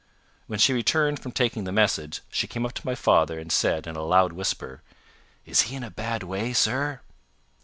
When she returned from taking the message, she came up to my father and said, in a loud whisper, "Is he in a bad way, sir?"